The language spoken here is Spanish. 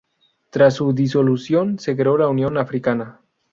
Tras su disolución, se creó la Unión Africana.